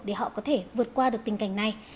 để họ có thể vượt qua được tình cảnh này